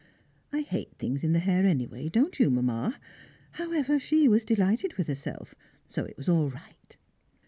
I hate things in the hair anyway, don't you, Mamma? However she was delighted with herself, so it was all right.